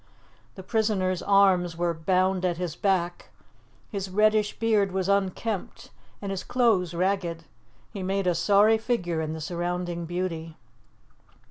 The prisoner's arms were bound at his back, his reddish beard was unkempt, and his clothes ragged; he made a sorry figure in the surrounding beauty.